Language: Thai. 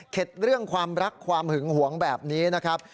เรื่องความรักความหึงหวงแบบนี้นะครับ